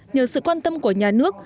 nhờ sự quan tâm của nhà nước